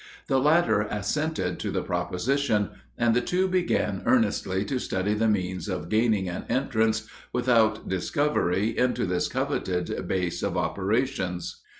The latter assented to the proposition, and the two began earnestly to study the means of gaining an entrance without discovery into this coveted base of operations.